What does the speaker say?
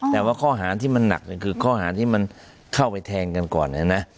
แต่ว่าข้อหาที่มันหนักคือข้อหาที่มันเข้าไปแทงกันก่อนนะ